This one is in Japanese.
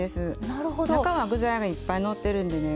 中は具材がいっぱいのってるんでね